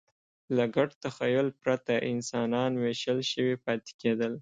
له ګډ تخیل پرته انسانان وېشل شوي پاتې کېدل.